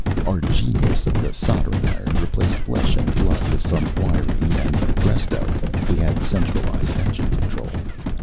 Our genius of the soldering iron replaced flesh and blood with some wiring and, presto, we had centralized engine control.